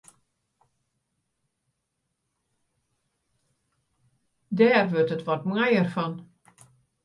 Dêr wurdt it wat moaier fan.